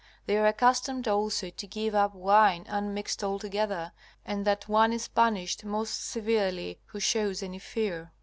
They are accustomed also to give up wine unmixed altogether, and that one is punished most severely who shows any fear.